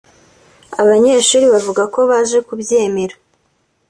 Aba banyeshuli bavuga ko baje kubyemera